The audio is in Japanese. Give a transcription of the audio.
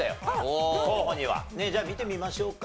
じゃあ見てみましょうか。